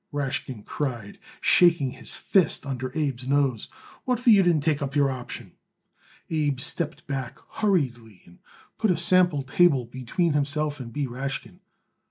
Rashkin cried, shaking his fist under Abe's nose. "What for you didn't take up your option?" Abe stepped back hurriedly and put a sample table between himself and B. Rashkin.